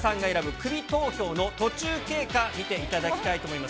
クビ投票の途中経過、見ていただきたいと思います。